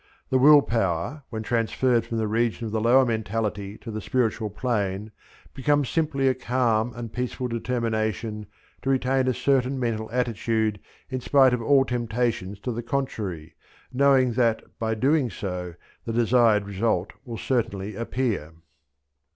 The will power, when transferred from the region of the lower mentality to the spiritual plane, becomes simply a calm and peaceful determination to retain a certain mental attitude in spite of all temptations to the contrary, knowing that by doing so the desired result will certainly appear.